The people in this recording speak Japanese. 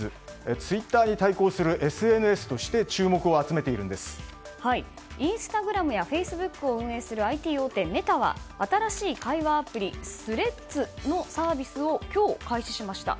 ツイッターに対抗するＳＮＳとしてインスタグラムやフェイスブックを運営するＩＴ大手メタは新しい会話アプリＴｈｒｅａｄｓのサービスを今日、開始しました。